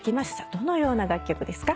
どのような楽曲ですか？